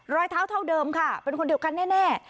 รอยเท้าเท่าเดิมค่ะเป็นคนเดียวกันแน่